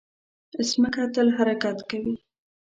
مځکه تل حرکت کوي.